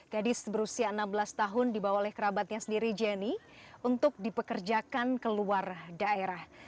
gadis berusia enam belas tahun dibawa oleh kerabatnya sendiri jenny untuk dipekerjakan ke luar daerah